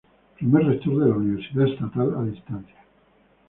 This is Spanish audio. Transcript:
Primer Rector de la Universidad Estatal a Distancia.